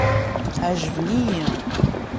Ɛejben-iyi.